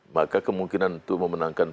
maka kemungkinan itu memenangkan